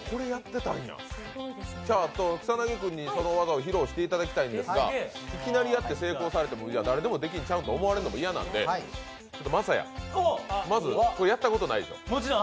じゃあ、草薙君にその技を挑戦していただきたいんですがいきなりやって成功されても誰でも成功するんちゃうかと思われても嫌なんで、晶哉、やったことないでしょう？